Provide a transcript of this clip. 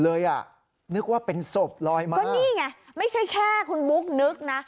เลยอ่ะนึกว่าเป็นศพลอยมาก็นี่ไงไม่ใช่แค่คุณบุ๊กนึกนะ